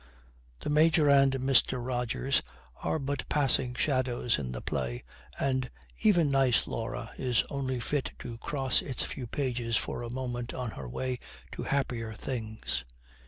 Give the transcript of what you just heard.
The Major and Mr. Rogers are but passing shadows in the play, and even nice Laura is only to flit across its few pages for a moment on her way to happier things.